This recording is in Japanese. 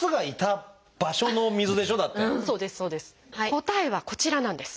答えはこちらなんです。